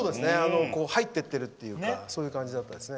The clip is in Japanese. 入っていってるというかそういう感じでしたね。